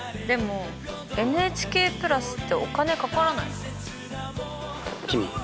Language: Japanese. でもＮＨＫプラスってお金かからないの？